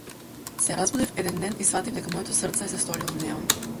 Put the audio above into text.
Се разбудив еден ден и сфатив дека моето срце се сторило неон.